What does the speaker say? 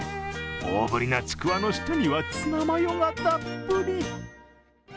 大ぶりな、ちくわの下にはツナマヨがたっぷり。